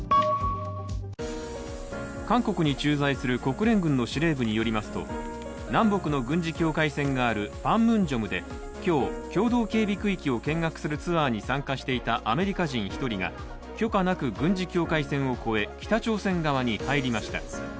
韓国に駐在する国連軍の司令部によりますと南北の軍事境界線があるパンムンジョムで、今日、共同警備区域を見学するツアーに参加していたアメリカ人１人が許可なく軍事境界線を超え北朝鮮側に入りました。